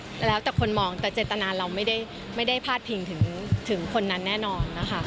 อ๋ออันนี้ก็แล้วแต่คนมองแต่เจตนาเราไม่ได้พลาดถึงคนนั้นแน่นอนนะคะ